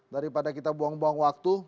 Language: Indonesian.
daripada kita buang buang waktu